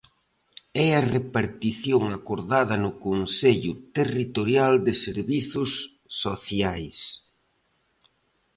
É a repartición acordada no Consello Territorial de Servizos Sociais.